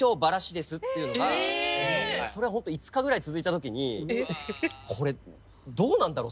それが本当５日ぐらい続いた時にこれどうなんだろう？